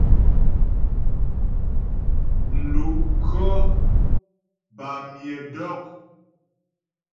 Mlu' khɔ bâ myə dɔk.